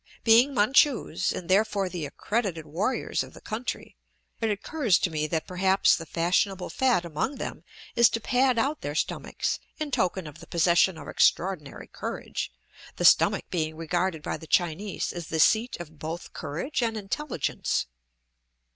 Being Manchus, and therefore the accredited warriors of the country, it occurs to ine that perhaps the fashionable fad among them is to pad out their stomachs in token of the possession of extraordinary courage, the stomach being regarded by the Chinese as the seat of both courage and intelligence.